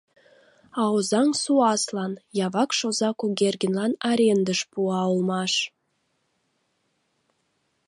А Озаҥ суаслан, я вакш оза Кугергинлан арендыш пуа улмаш.